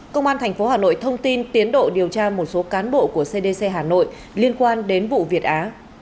công an tp hà nội thông tin tiến độ điều tra một số cán bộ của cdc hà nội liên quan đến vụ việt á